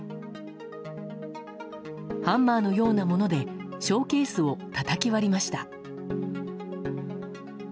ハンマーのようなものでショーケースをたたき割りました。